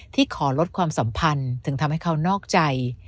ขอลดความสัมพันธ์ถึงทำให้เขานอกใจ